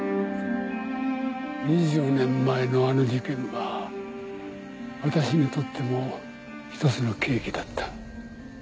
２０年前のあの事件は私にとってもひとつの契機だった。